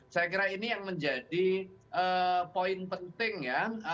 saya kira ini yang menjadi poin penting ya